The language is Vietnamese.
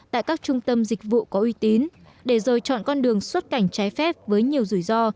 tại các trung tâm dịch vụ có uy tín để rồi chọn con đường xuất cảnh trái phép với nhiều rủi ro